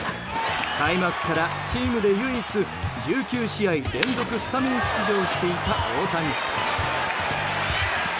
開幕からチームで唯一１９試合連続スタメン出場していた大谷。